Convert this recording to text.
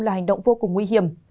là hành động vô cùng nguy hiểm